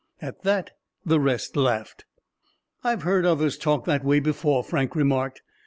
At that the rest laughed. "I've heard others talk that way before," Frank remarked.